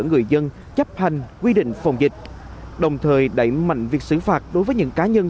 người dân chấp hành quy định phòng dịch đồng thời đẩy mạnh việc xử phạt đối với những cá nhân